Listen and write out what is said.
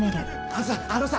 あのさあのさ